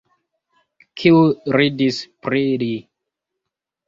Kiu ridis pri li?